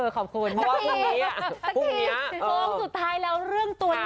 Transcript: ตอนนี้สุดท้ายแล้วเพราะว่าท